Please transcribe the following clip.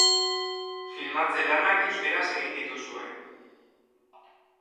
Filmatze lanak euskaraz egin dituzue.